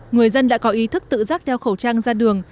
người dân đã có ý thức tự giác đeo khẩu trang ra đường